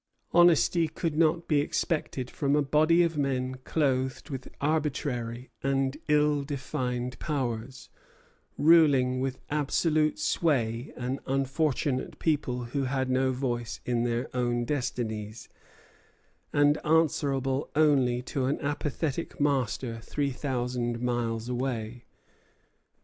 Honesty could not be expected from a body of men clothed with arbitrary and ill defined powers, ruling with absolute sway an unfortunate people who had no voice in their own destinies, and answerable only to an apathetic master three thousand miles away.